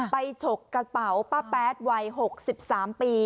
ฉกกระเป๋าป้าแป๊ดวัย๖๓ปี